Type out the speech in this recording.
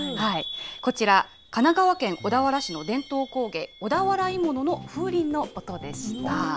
こちら、神奈川県小田原市の伝統工芸、小田原鋳物の風鈴の音でした。